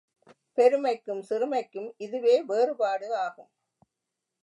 பெருமைக்கும் சிறுமைக்கும் இதுவே வேறுபாடு ஆகும்.